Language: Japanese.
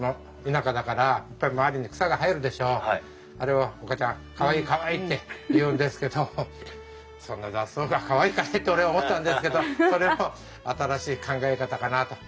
あれは岡ちゃんかわいいかわいいって言うんですけどそんな雑草がかわいいかねって俺は思ったんですけどそれも新しい考え方かなと。